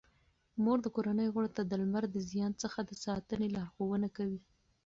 مور د کورنۍ غړو ته د لمر د زیان څخه د ساتنې لارښوونه کوي.